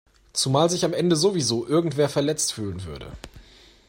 Zumal sich am Ende sowieso irgendwer verletzt fühlen würde.